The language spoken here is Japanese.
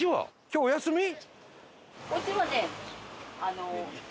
今日お休み？